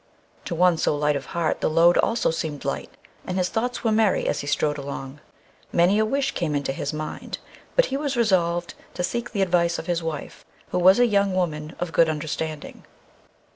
To one so light of heart the load also seemed light, and his thoughts were merry as he strode along. Many a wish came into his mind, but he was resolved to seek the advice of his wife, who was a young woman of good understanding.